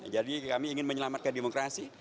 kami ingin menyelamatkan demokrasi